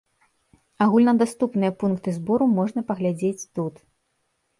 Агульнадаступныя пункты збору можна паглядзець тут.